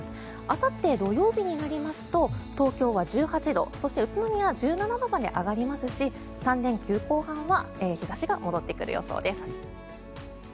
あさって土曜日になりますと東京は１８度そして、宇都宮は１７度まで上がりますし３連休後半は日差しが戻ってくる予想です。